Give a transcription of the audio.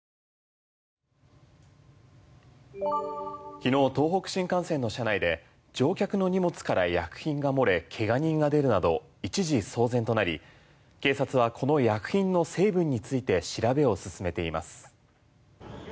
昨日、東北新幹線の車内で乗客の荷物から薬品が漏れ怪我人が出るなど一時騒然となり警察はこの薬品の成分について調べを進めています。